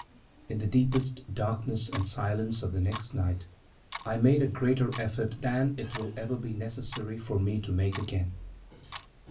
In the deepest darkness and silence of the next night I made a greater effort than it will ever be necessary for me to make again.